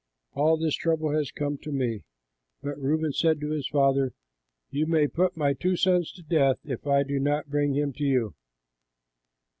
All this trouble has come to me!" But Reuben said to his father, "You may put my two sons to death, if I do not bring him to you.